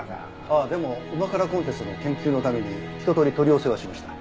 ああでも旨辛コンテストの研究のために一通り取り寄せはしました。